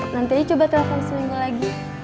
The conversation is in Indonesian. nantinya coba telepon seminggu lagi